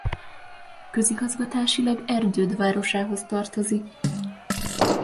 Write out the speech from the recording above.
Közigazgatásilag Erdőd városához tartozik.